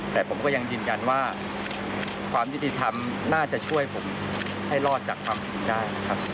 แต่ผมก็ยังยืนยันว่าความยุติธรรมน่าจะช่วยผมให้รอดจากความผิดได้นะครับ